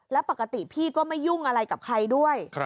แล้วปกติพี่ก็ไม่ยุ่งอะไรกับใครด้วย